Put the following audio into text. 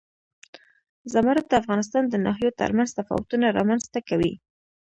زمرد د افغانستان د ناحیو ترمنځ تفاوتونه رامنځ ته کوي.